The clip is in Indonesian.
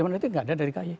dewan etik tidak ada dari kay